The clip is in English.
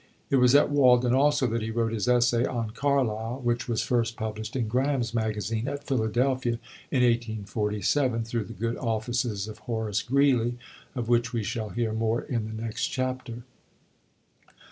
It was at Walden, also, that he wrote his essay on Carlyle, which was first published in "Graham's Magazine," at Philadelphia, in 1847, through the good offices of Horace Greeley, of which we shall hear more in the next chapter.